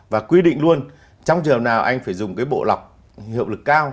và quy định luôn trong trường nào anh phải dùng cái bộ lọc hiệu lực cao